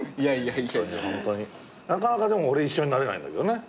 なかなかでも俺一緒になれないんだけどね。